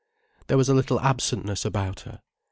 There was a little absentness about her.